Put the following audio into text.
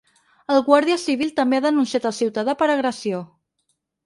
El guàrdia civil també ha denunciat el ciutadà per agressió.